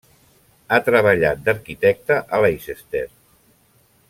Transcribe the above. Ha treballat d'arquitecte a Leicester.